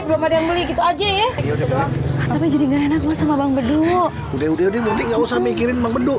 sebelum beli gitu aja ya udah jadi gak enak sama bang bedung udah udah udah nggak usah mikirin bang